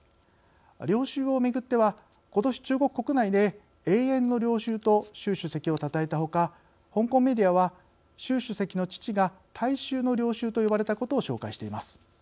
領袖を巡ってはことし、中国国内で永遠の領袖と習主席をたたえたほか香港メディアは習主席の父が大衆の領袖と呼ばれたことを紹介しています。